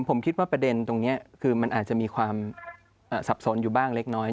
ผมคิดว่าประเด็นตรงนี้คือมันอาจจะมีความสับสนอยู่บ้างเล็กน้อย